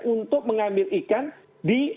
untuk mengambil ikan di